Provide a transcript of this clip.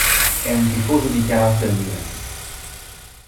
È un tifoso dichiarato del Milan.